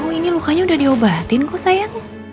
oh ini lukanya udah diobatin kok saya